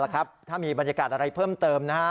ครับถ้ามีบรรยากาศอะไรเพิ่มเติม